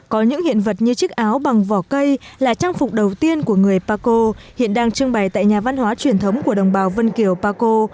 có những hiện vật như chiếc áo bằng vỏ cây là trang phục đầu tiên của người paco hiện đang trưng bày tại nhà văn hóa truyền thống của đồng bào vân kiều paco